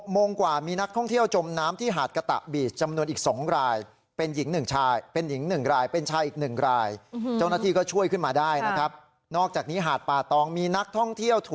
โมงกว่ามีนักท่องเที่ยวจมน้ำที่หาดกะตะบีชจำนวนอีก๒ราย